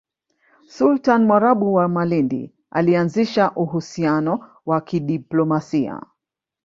Sultani Mwarabu wa Malindi alianzisha uhusiano wa kidiplomasia